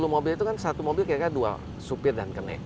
dua ratus lima puluh mobil itu kan satu mobil kira kira dua supir dan kene